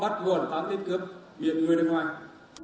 bắt buồn tám tên cướp biển người nước ngoài